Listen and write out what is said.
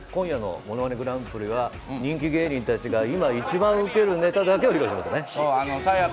今夜の『ものまねグランプリ』は人気芸人たちが今一番ウケるネタだけを披露しますね。